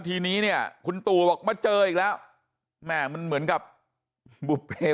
ทีนี้เนี่ยคุณตู่บอกมาเจออีกแล้วแม่มันเหมือนกับบุภเพ